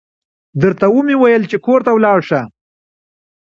درته و مې ويل چې کور ته ولاړه شه.